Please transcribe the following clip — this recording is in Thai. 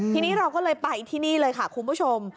ทีนี้เราก็เลยไปที่นี่เลยค่ะคุณผู้ชม